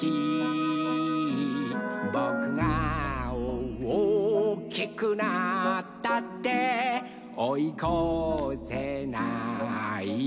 「ぼくがおおきくなったっておいこせないよ」